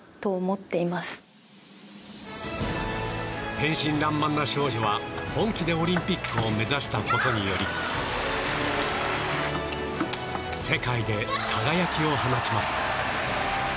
天真らんまんな少女は本気でオリンピックを目指したことにより世界で輝きを放ちます。